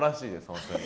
本当に。